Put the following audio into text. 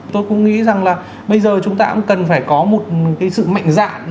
tôi cũng nghĩ rằng là bây giờ chúng ta cũng cần phải có một cái sự mạnh dạng